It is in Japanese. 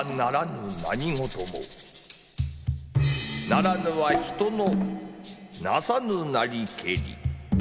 成らぬは人の為さぬなりけり」。